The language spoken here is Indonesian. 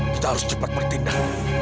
kita harus cepat bertindak